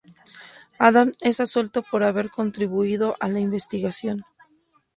Adam es absuelto por haber contribuido a la investigación.